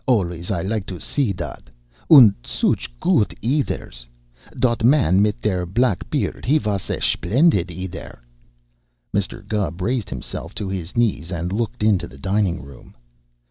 Alvays I like to see dot. Und sooch goot eaders! Dot man mit der black beard, he vos a schplendid eader!" Mr. Gubb raised himself to his knees and looked into the dining room.